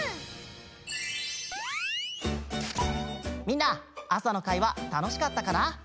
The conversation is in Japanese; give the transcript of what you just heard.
みんな朝の会はたのしかったかな？